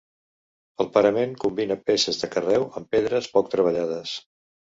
El parament combina peces de carreu amb pedres poc treballades.